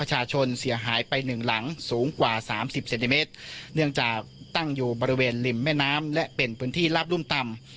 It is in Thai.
จากตั้งอยู่บริเวณลิมแม่น้ำและเป็นพื้นที่ลับรุ่มต่ำ